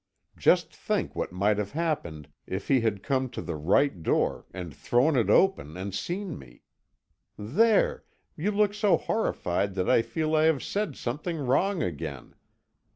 Just think what might have happened if he had come to the right door and thrown it open and seen me! There! You look so horrified that I feel I have said something wrong again.